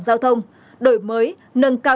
giao thông đổi mới nâng cao